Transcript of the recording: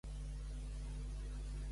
Què va implorar-li al déu de l'infern?